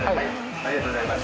ありがとうございます。